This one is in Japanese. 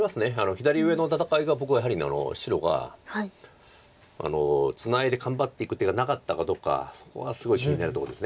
左上の戦いが僕はやはり白がツナいで頑張っていく手がなかったかどうかはすごい気になるとこです。